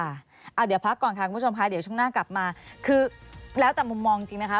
เดี๋ยวพักก่อนค่ะคุณผู้ชมค่ะเดี๋ยวช่วงหน้ากลับมาคือแล้วแต่มุมมองจริงนะคะ